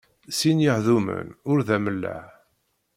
Sin yehdumen ur-d amellaɣ.